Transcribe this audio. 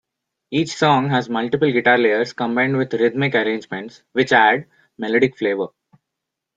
Each song has multiple guitar layers combined with rhythmic arrangements, which add "melodic flavor".